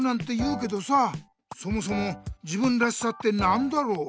そもそも「自分らしさ」って何だろう？